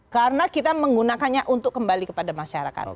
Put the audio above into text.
karena kita menggunakannya untuk kembali kepada masyarakat